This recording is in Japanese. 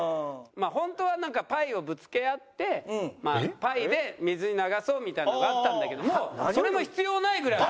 まあ本当はなんかパイをぶつけ合ってパイで水に流そうみたいなのがあったんだけどもそれも必要ないぐらい。